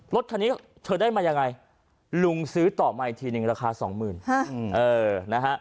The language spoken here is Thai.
รถคันนี้เธอได้มายังไงลุงซื้อต่อใหม่ทีนึงราคา๒๐๐๐๐บาท